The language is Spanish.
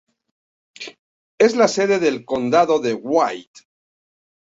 Es la sede del Condado de White.